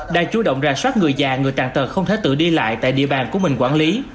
đã chú động rà soát người già người tàn tật không thể tự đi lại tại địa bàn của mình quản lý